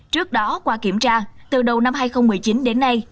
trước đó qua kiểm tra từ đầu năm hai nghìn một mươi chín đến nay